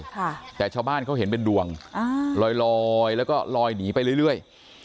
ค่ะแต่ชาวบ้านเขาเห็นเป็นดวงอ่าลอยลอยแล้วก็ลอยหนีไปเรื่อยเรื่อย